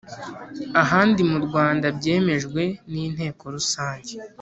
ahandi mu Rwanda byemejwe n Inteko rusange